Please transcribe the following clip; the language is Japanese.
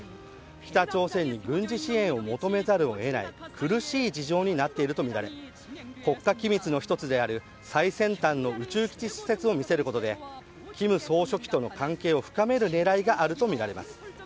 北朝鮮に軍事支援を求めざるを得ない苦しい事情になっているとみられ国家機密の１つである最先端の宇宙基地施設を見せることで金総書記との関係を深める狙いがあるとみられます。